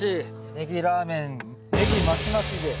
ネギラーメンネギ増し増しで。